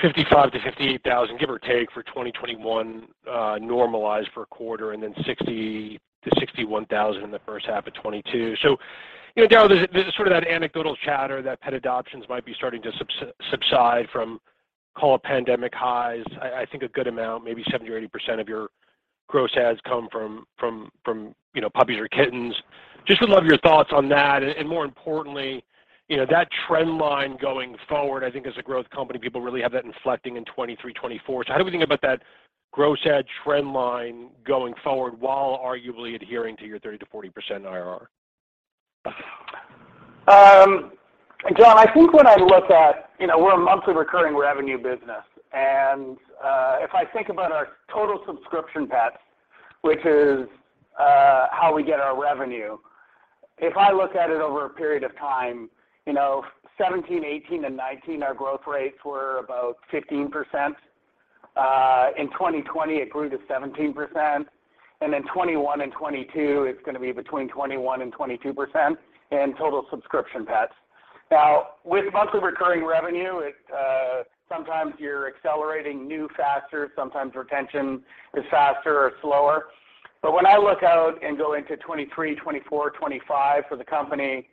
55,000-58,000, give or take, for 2021, normalized for a quarter, and then 60,000-61,000 in the first half of 2022. So, you know, Darryl, there's sort of that anecdotal chatter that pet adoptions might be starting to subside from call it pandemic highs. I think a good amount, maybe 70% or 80% of your gross adds come from, you know, puppies or kittens. Just would love your thoughts on that. More importantly, you know, that trend line going forward, I think as a growth company, people really have that inflecting in 2023, 2024. How do we think about that gross add trend line going forward while arguably adhering to your 30%-40% IRR? Jon, I think when I look at, you know, we're a monthly recurring revenue business. If I think about our total subscription pets, which is how we get our revenue, if I look at it over a period of time, you know, 2017, 2018, and 2019, our growth rates were about 15%. In 2020, it grew to 17%. Then 2021 and 2022, it's going to be between 21% and 22% in total subscription pets. Now, with monthly recurring revenue, it sometimes you're accelerating new faster, sometimes retention is faster or slower. But when I look out and go into 2023, 2024, 2025 for the company,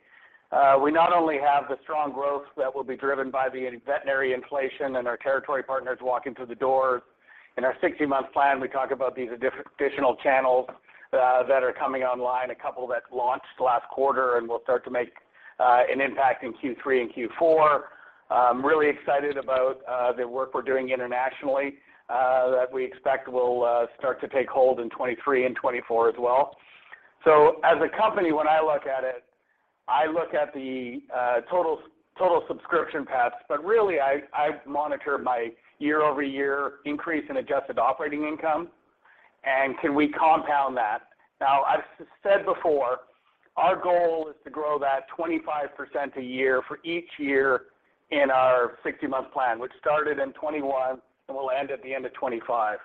we not only have the strong growth that will be driven by the veterinary inflation and our territory partners walking through the door. In our 60-month plan, we talk about these additional channels that are coming online, a couple that launched last quarter and will start to make an impact in Q3 and Q4. I'm really excited about the work we're doing internationally that we expect will start to take hold in 2023 and 2024 as well. As a company, when I look at it, I look at the total subscription paths, but really I monitor my year-over-year increase in adjusted operating income and can we compound that? Now, I've said before, our goal is to grow that 25% a year for each year in our 60-month plan, which started in 2021 and will end at the end of 2025.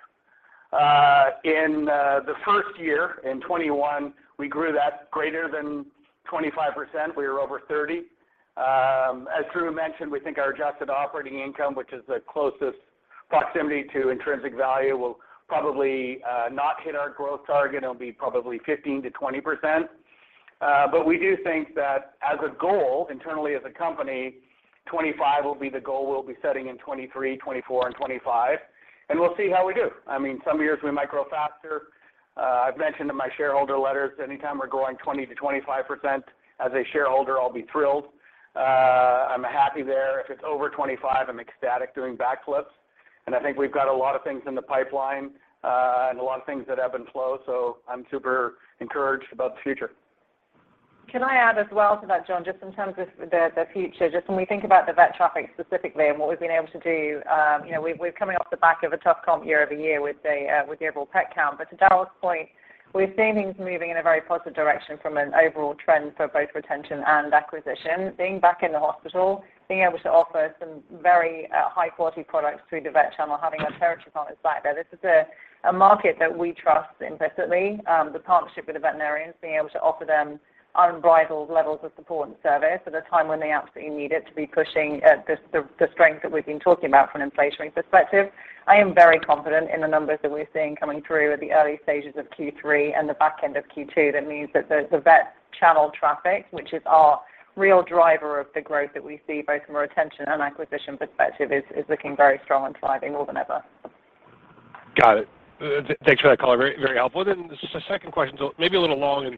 In the first year, in 2021, we grew that greater than 25%. We were over 30%. As Drew mentioned, we think our adjusted operating income, which is the closest proximity to intrinsic value, will probably not hit our growth target. It'll be probably 15%-20%. But we do think that as a goal internally as a company, 25% will be the goal we'll be setting in 2023, 2024 and 2025, and we'll see how we do. I mean, some years we might grow faster. I've mentioned in my shareholder letters, anytime we're growing 20%-25%, as a shareholder, I'll be thrilled. I'm happy there. If it's over 25%, I'm ecstatic doing backflips, and I think we've got a lot of things in the pipeline, and a lot of things that ebb and flow, so I'm super encouraged about the future. Can I add as well to that, Jon, just in terms of the future, just when we think about the vet traffic specifically and what we've been able to do. You know, we're coming off the back of a tough comp year-over-year with the overall pet count. To Darryl's point, we're seeing things moving in a very positive direction from an overall trend for both retention and acquisition. Being back in the hospital, being able to offer some very high-quality products through the vet channel, having our territory partners back there. This is a market that we trust implicitly. The partnership with the veterinarians, being able to offer them unbridled levels of support and service at a time when they absolutely need it to be pushing the strength that we've been talking about from an inflationary perspective. I am very confident in the numbers that we're seeing coming through at the early stages of Q3 and the back end of Q2. That means that the vet channel traffic, which is our real driver of the growth that we see both from a retention and acquisition perspective, is looking very strong and thriving more than ever. Got it. Thanks for that color. Very, very helpful. Just a second question. Maybe a little long, and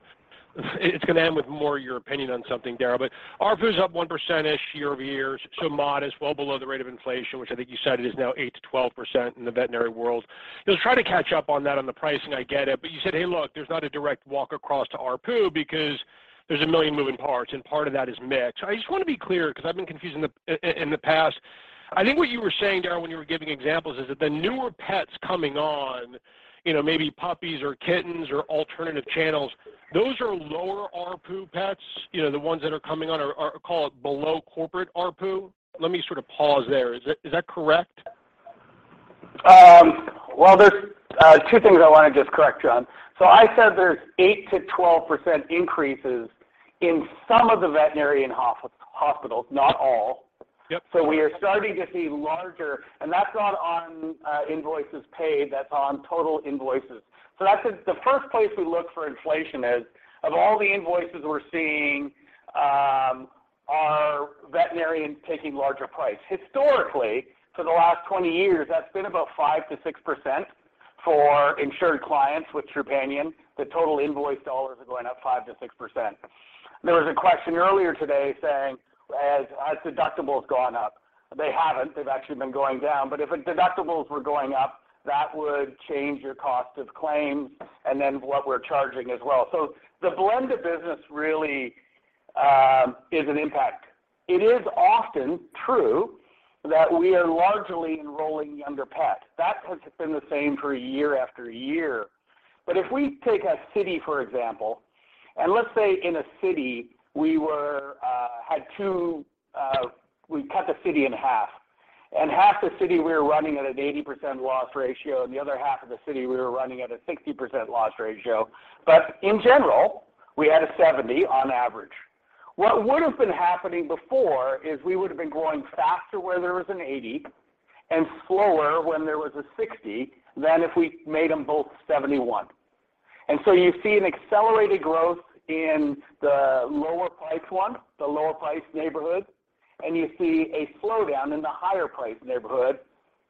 it's gonna end with more of your opinion on something, Darryl. ARPU is up 1%-ish year-over-year, so modest, well below the rate of inflation, which I think you said is now 8%-12% in the veterinary world. You'll try to catch up on that on the pricing, I get it. You said, "Hey, look, there's not a direct walk across to ARPU because there's a million moving parts, and part of that is mix." I just want to be clear because I've been confused in the past. I think what you were saying, Darryl, when you were giving examples is that the newer pets coming on, you know, maybe puppies or kittens or alternative channels, those are lower ARPU pets, you know, the ones that are coming on are call it below corporate ARPU. Let me sort of pause there. Is that correct? Well, there's two things I want to just correct, Jon. I said there's 8%-12% increases in some of the veterinarian hospitals, not all. Yep. We are starting to see larger. That's not on invoices paid, that's on total invoices. That's the first place we look for inflation, of all the invoices we're seeing, are veterinarians taking larger price. Historically, for the last 20 years, that's been about 5%-6% for insured clients with Trupanion. The total invoice dollars are going up 5%-6%. There was a question earlier today saying, as deductibles gone up. They haven't. They've actually been going down. If deductibles were going up, that would change your cost of claims and then what we're charging as well. The blend of business really is an impact. It is often true that we are largely enrolling younger pets. That has been the same for year after year. If we take a city, for example, and let's say in a city, we cut the city in half, and half the city we were running at an 80% loss ratio, and the other half of the city we were running at a 60% loss ratio. In general, we had a 70% on average. What would have been happening before is we would have been growing faster where there was an 80% and slower when there was a 60% than if we made them both 71%. You see an accelerated growth in the lower priced one, the lower priced neighborhood, and you see a slowdown in the higher priced neighborhood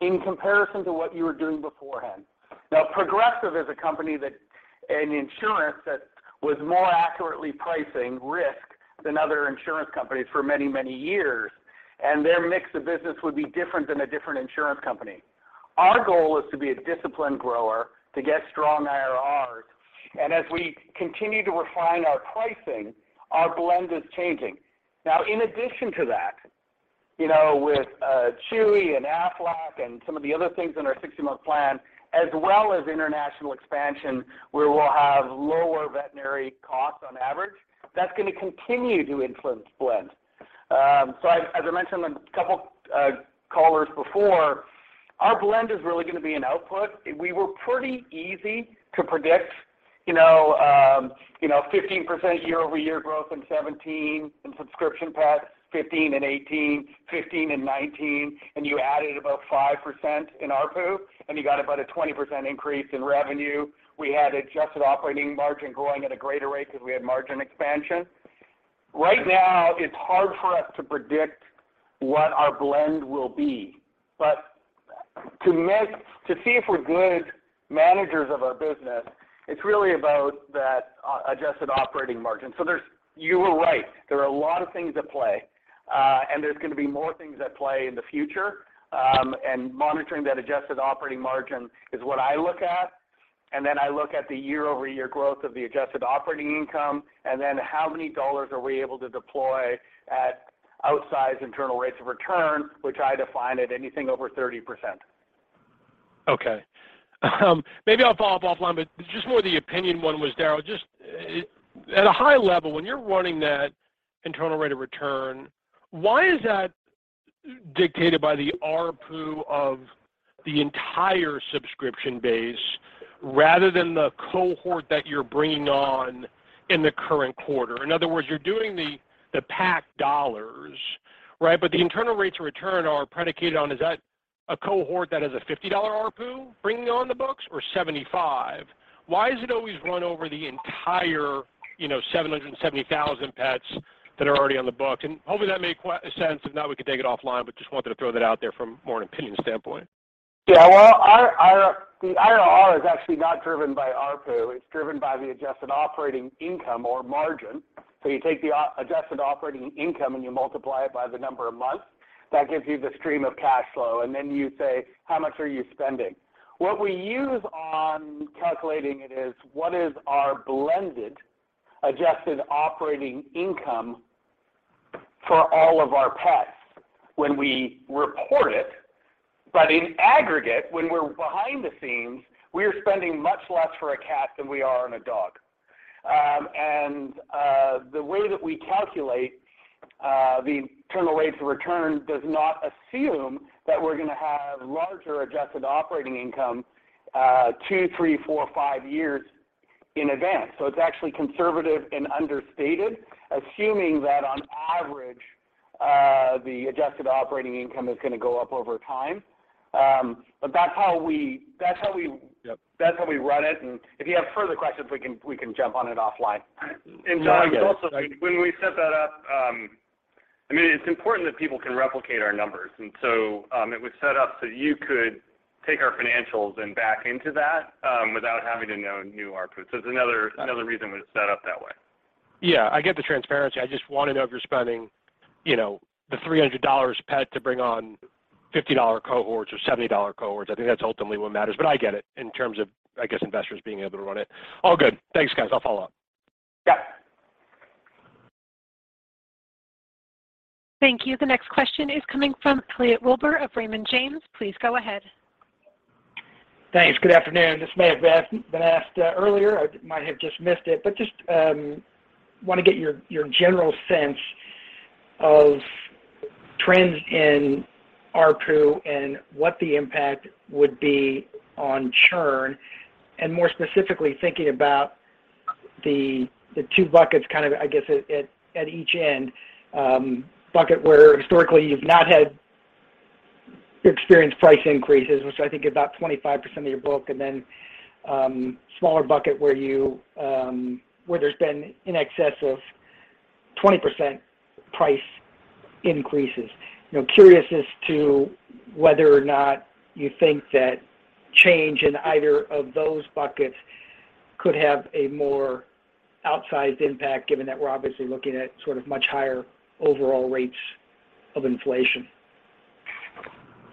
in comparison to what you were doing beforehand. Now, Progressive is a company that, in insurance, that was more accurately pricing risk than other insurance companies for many, many years, and their mix of business would be different than a different insurance company. Our goal is to be a disciplined grower to get strong IRRs, and as we continue to refine our pricing, our blend is changing. Now, in addition to that, you know, with Chewy and Aflac and some of the other things in our 60-month plan, as well as international expansion, where we'll have lower veterinary costs on average, that's gonna continue to influence blend. As I mentioned a couple callers before, our blend is really gonna be an output. We were pretty easy to predict, you know, 15% year-over-year growth in 2017 in subscription pets, 15% in 2018, 15% in 2019, and you added about 5% in ARPU, and you got about a 20% increase in revenue. We had adjusted operating margin growing at a greater rate because we had margin expansion. Right now, it's hard for us to predict what our blend will be. To see if we're good managers of our business, it's really about that adjusted operating margin. There's, you were right, there are a lot of things at play, and there's gonna be more things at play in the future. Monitoring that adjusted operating margin is what I look at. I look at the year-over-year growth of the adjusted operating income, and then how many dollars are we able to deploy at outsized internal rates of return, which I define as anything over 30%. Okay. Maybe I'll follow up offline, but just more the opinion one was, Darryl, just at a high level, when you're running that internal rate of return, why is that dictated by the ARPU of the entire subscription base rather than the cohort that you're bringing on in the current quarter? In other words, you're doing the PAC dollars, right? But the internal rates of return are predicated on, is that a cohort that has a $50 ARPU bringing on the books or $75? Why is it always run over the entire, you know, 770,000 pets that are already on the books? Hopefully that made sense. If not, we could take it offline, but just wanted to throw that out there from more an opinion standpoint. Yeah, well, our IRR is actually not driven by ARPU, it's driven by the adjusted operating income or margin. You take the adjusted operating income, and you multiply it by the number of months. That gives you the stream of cash flow, and then you say, "How much are you spending?" What we use on calculating it is what is our blended adjusted operating income for all of our pets when we report it. In aggregate, when we're behind the scenes, we are spending much less for a cat than we are on a dog. The way that we calculate the internal rates of return does not assume that we're gonna have larger adjusted operating income two, three, four, five years in advance. It's actually conservative and understated, assuming that on average, the adjusted operating income is gonna go up over time. That's how we- Yep. That's how we run it, and if you have further questions we can jump on it offline. Jon, also, when we set that up, I mean, it's important that people can replicate our numbers. It was set up so you could take our financials and back into that, without having to know new ARPU. It's another reason it was set up that way. Yeah. I get the transparency. I just wanna know if you're spending, you know, $300 a pet to bring on $50 cohorts or $70 cohorts. I think that's ultimately what matters, but I get it in terms of, I guess, investors being able to run it. All good. Thanks, guys. I'll follow up. Yeah. Thank you. The next question is coming from Elliot Wilbur of Raymond James. Please go ahead. Thanks. Good afternoon. This may have been asked earlier. I might have just missed it, but just wanna get your general sense of trends in ARPU and what the impact would be on churn, and more specifically thinking about the two buckets kind of, I guess, at each end, bucket where historically you've not had experienced price increases, which I think is about 25% of your book, and then smaller bucket where there's been in excess of 20% price increases. You know, curious as to whether or not you think that change in either of those buckets could have a more outsized impact given that we're obviously looking at sort of much higher overall rates of inflation.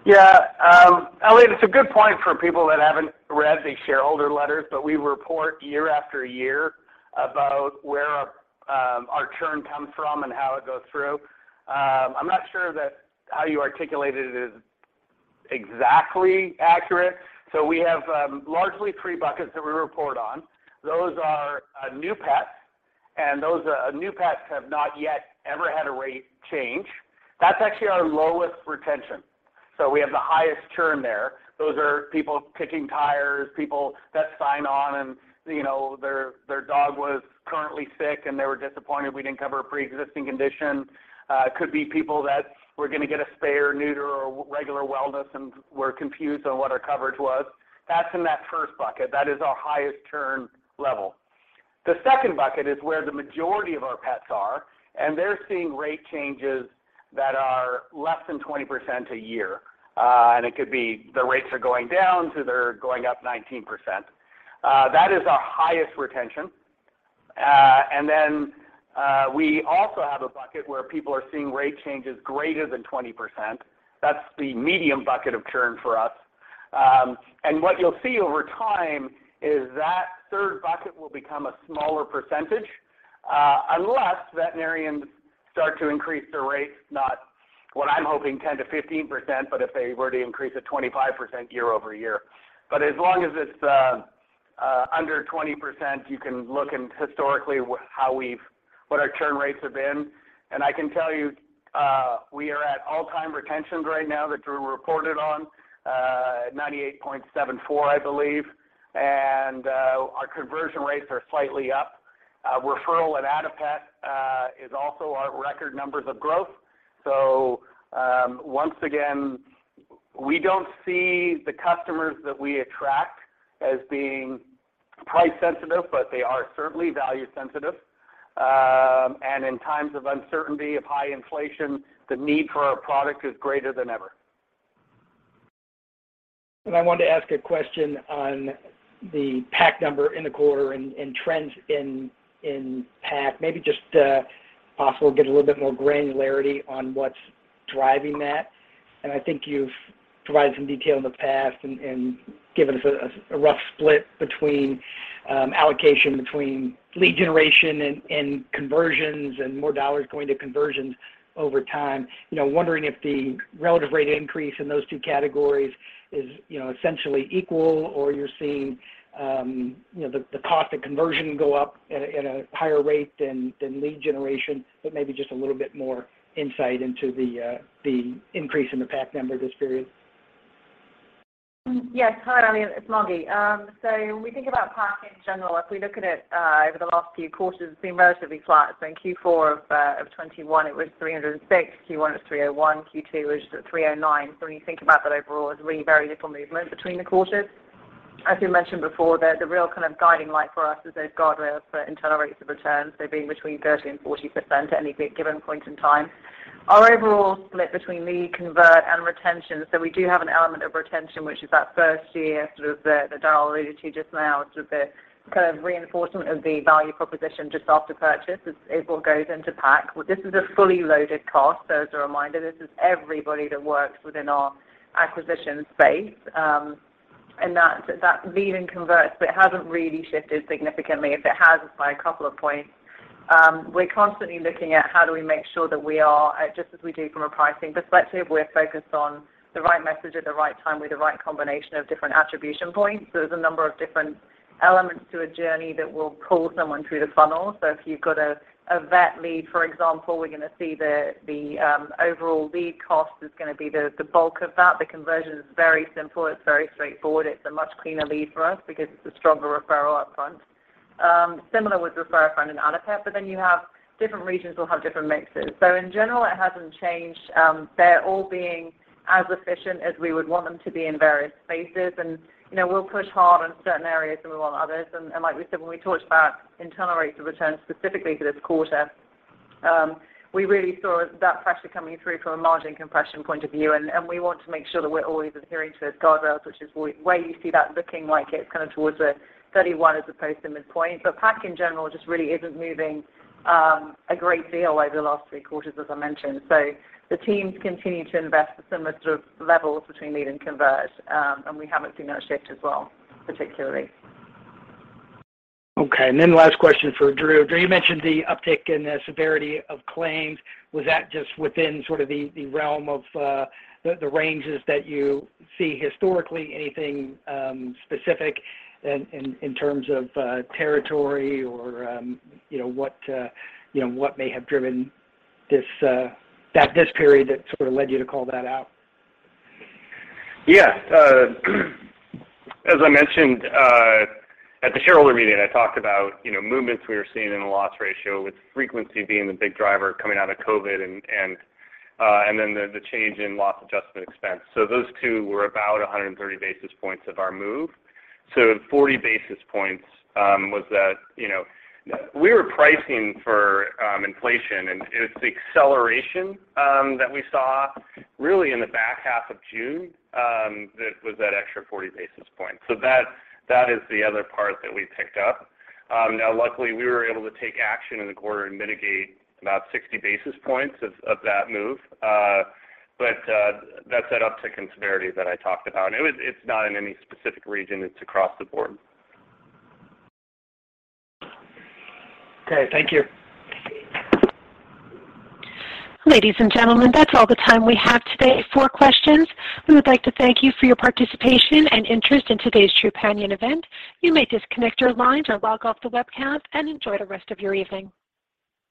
Yeah. Elliot, it's a good point for people that haven't read the shareholder letters, we report year after year about where our churn comes from and how it goes through. I'm not sure that how you articulated it is exactly accurate. We have largely three buckets that we report on. Those are new pets, and those new pets have not yet ever had a rate change. That's actually our lowest retention, so we have the highest churn there. Those are people kicking tires, people that sign on and, you know, their dog was currently sick, and they were disappointed we didn't cover a preexisting condition. It could be people that were gonna get a spay or neuter or regular wellness and were confused on what our coverage was. That's in that first bucket. That is our highest churn level. The second bucket is where the majority of our pets are, and they're seeing rate changes that are less than 20% a year. It could be the rates are going down or they're going up 19%. That is our highest retention. We also have a bucket where people are seeing rate changes greater than 20%. That's the medium bucket of churn for us. What you'll see over time is that third bucket will become a smaller percentage, unless veterinarians start to increase their rates, not what I'm hoping, 10%-15%, but if they were to increase it 25% year-over-year. As long as it's under 20%, you can look and historically what our churn rates have been. I can tell you, we are at all-time retentions right now that we reported on, 98.74%, I believe. Our conversion rates are slightly up. Referral and Add a Pet is also our record numbers of growth. Once again, we don't see the customers that we attract as being price sensitive, but they are certainly value sensitive. In times of uncertainty, of high inflation, the need for our product is greater than ever. I wanted to ask a question on the PAC number in the quarter and trends in PAC. Maybe just also get a little bit more granularity on what's driving that. I think you've provided some detail in the past and given us a rough split between allocation between lead generation and conversions and more dollars going to conversions over time. You know, wondering if the relative rate increase in those two categories is, you know, essentially equal or you're seeing, you know, the cost of conversion go up at a higher rate than lead generation, but maybe just a little bit more insight into the increase in the PAC number this period. Yes. Hi, Elliot. It's Margi. When we think about PAC in general, if we look at it over the last few quarters, it's been relatively flat. In Q4 of 2021, it was 306. Q1, it was 301. Q2 was 309. When you think about that overall, there's really very little movement between the quarters. As we mentioned before, the real kind of guiding light for us is those guardrails for internal rates of return. They're being between 30% and 40% at any given point in time. Our overall split between lead, convert, and retention. We do have an element of retention, which is that first year, sort of that Darryl alluded to just now. It's a bit kind of reinforcement of the value proposition just after purchase. It all goes into PAC. Well, this is a fully loaded cost, so as a reminder, this is everybody that works within our acquisition space. That's lead and convert, but it hasn't really shifted significantly. If it has, it's by a couple of points. We're constantly looking at how do we make sure that we are, just as we do from a pricing perspective, we're focused on the right message at the right time with the right combination of different attribution points. There's a number of different elements to a journey that will pull someone through the funnel. If you've got a vet lead, for example, we're gonna see the overall lead cost is gonna be the bulk of that. The conversion is very simple. It's very straightforward. It's a much cleaner lead for us because it's a stronger referral upfront. Similar with Refer a Friend and Add a Pet, but then you have different regions will have different mixes. In general, it hasn't changed. They're all being as efficient as we would want them to be in various spaces. You know, we'll push hard on certain areas than we will others. Like we said, when we talked about internal rates of return specifically for this quarter, we really saw that pressure coming through from a margin compression point of view. We want to make sure that we're always adhering to those guardrails, which is why you see that looking like it's kind of towards a 31% as opposed to midpoint. PAC in general just really isn't moving a great deal over the last three quarters, as I mentioned. The teams continue to invest at similar sort of levels between lead and convert, and we haven't seen that shift as well, particularly. Okay. Last question for Drew. Drew, you mentioned the uptick in the severity of claims. Was that just within sort of the realm of the ranges that you see historically? Anything specific in terms of territory or you know what may have driven this that this period that sort of led you to call that out? Yeah. As I mentioned at the shareholder meeting, I talked about, you know, movements we were seeing in the loss ratio with frequency being the big driver coming out of COVID and then the change in loss adjustment expense. So those two were about 130 basis points of our move. So 40 basis points was that we were pricing for inflation and it's the acceleration that we saw really in the back half of June that was that extra 40 basis points. So that is the other part that we picked up. Now luckily, we were able to take action in the quarter and mitigate about 60 basis points of that move. But that's that uptick in severity that I talked about. It's not in any specific region. It's across the board. Okay. Thank you. Ladies and gentlemen, that's all the time we have today for questions. We would like to thank you for your participation and interest in today's Trupanion event. You may disconnect your lines or log off the webcast and enjoy the rest of your evening.